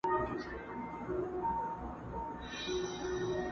چي پر سر باندي یې واوري اوروي لمن ګلونه٫